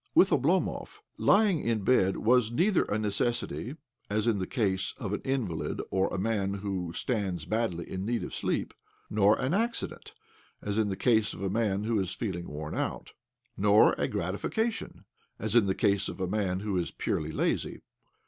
With Oblomov, lying in bed was neither a necessity (as in the case of an invalid or of a man who stands badly in need of sleep) nor an accident (as in the case of a man who is feeling worn out) nor a gratification (as in the case of a man who is purely lazy).